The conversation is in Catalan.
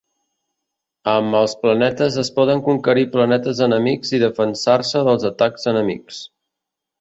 Amb els planetes es poden conquerir planetes enemics i defensar-se dels atacs enemics.